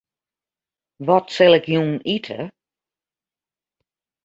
Wat sil ik jûn ite?